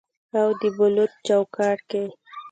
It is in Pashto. او د بلوط چوکاټ کې